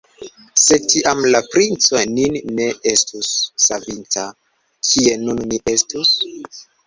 Se tiam la princo nin ne estus savinta, kie nun ni estus?